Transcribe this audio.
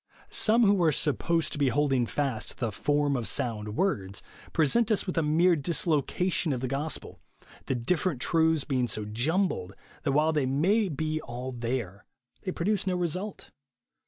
Some who are supposed to be holding fast " the form of sound words " present us with a mere dislocation of the gos pel, the different truths being so jumbled, that while they may be all there, they pro duce no result.